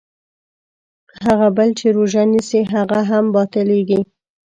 هغه بل چې روژه نیسي هغه هم باطلېږي.